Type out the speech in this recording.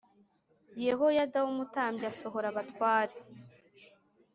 Yehoyada w umutambyi asohora abatware